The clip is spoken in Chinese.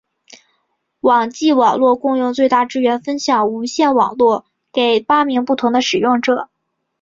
网际网路共用最大支援分享无线网路给八名不同的使用者。